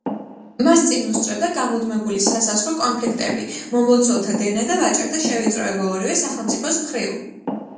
მას წინ უსწრებდა გამუდმებული სასაზღვრო კონფლიქტები, მომლოცველთა დევნა და ვაჭართა შევიწროება ორივე სახელმწიფოს მხრივ.